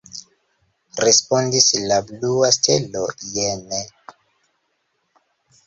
Respondis la blua stelo jene.